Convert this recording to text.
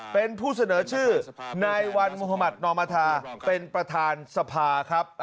เป็นผู้เสนอชื่อนายวันมุธมัธนอมธาเป็นประธานสภาครับ